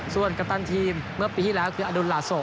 ส่วนกัปตันทีมเป็นให้กับอันดุลาโซ